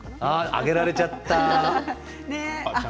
揚げられちゃった。